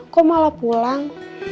kok malah pulang